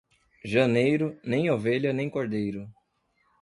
Janeiro, nem ovelha nem cordeiro.